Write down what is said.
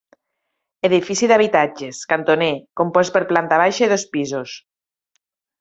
Edifici d'habitatges, cantoner, compost per planta baixa i dos pisos.